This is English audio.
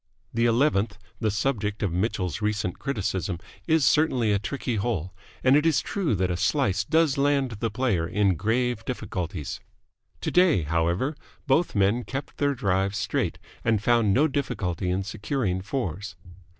The eleventh, the subject of Mitchell's recent criticism, is certainly a tricky hole, and it is true that a slice does land the player in grave difficulties. Today, however, both men kept their drives straight, and found no difficulty in securing fours.